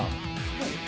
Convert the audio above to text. はい。